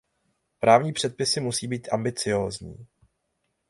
Právní předpisy musí být ambiciózní.